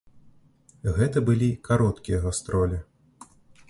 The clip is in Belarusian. Гэта былі кароткія гастролі.